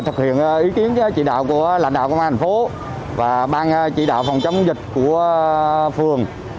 thực hiện ý kiến chỉ đạo của lãnh đạo công an thành phố và ban chỉ đạo phòng chống dịch của phường